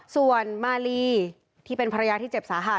ส่วนมาลีที่เป็นภรรยาที่เจ็บสาหัส